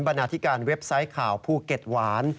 นาธิการเว็บไซต์ข่าวภูเก็ตหวาน